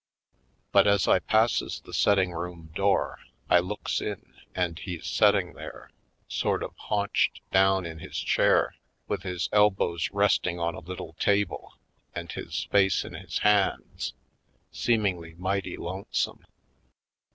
But as I passes the set ting room door I looks in and he's setting there, sort of haunched down in his chair, with his elbows resting on a little table and his face in his hands, seemingly mighty lonesome.